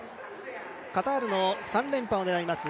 カタールの三連覇を狙います